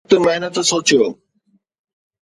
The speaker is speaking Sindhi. سخت محنت سوچيو